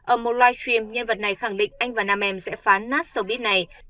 ở một live stream nhân vật này khẳng định anh và nam em sẽ phán nát showbiz này